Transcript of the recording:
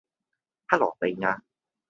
克羅地亞